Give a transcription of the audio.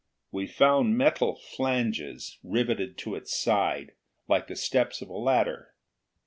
We found metal flanges riveted to its side, like the steps of a ladder.